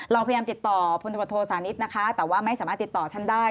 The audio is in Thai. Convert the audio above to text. เราพยายามติดต่อพศนิษย์นะคะแต่ว่าไม่สามารถติดต่อท่านได้